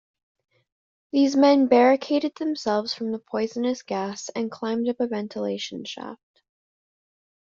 These men barricaded themselves from the poisonous gas and climbed up a ventilation shaft.